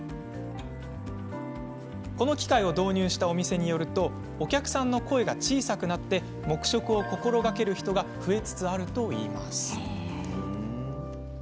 この機械を導入したお店によるとお客さんの声が小さくなり黙食を心がける人が増えつつあるといいます。